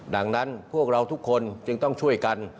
ดังนั้นพวกเราทุกคนจึงต้องช่วยกัน